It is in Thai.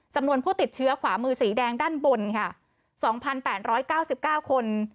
จำนวนผู้ติดเชื้อขวามือสีแดงด้านบนค่ะสองพันแปนร้อยเก้าสิบเก้าคน